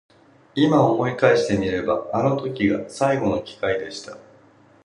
今思い返してみればあの時が最後の機会でした。